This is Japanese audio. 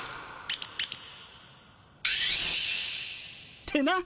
ってな。